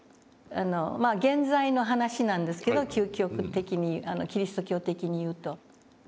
まあ原罪の話なんですけど究極的にキリスト教的に言うと。